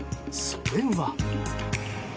それは。